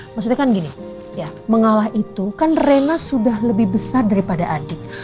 maksudnya kan gini ya mengalah itu kan rena sudah lebih besar daripada adik